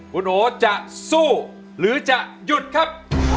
คุณโอจะสู้หรือจะหยุดครับ